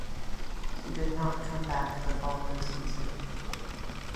He did not come back the following season.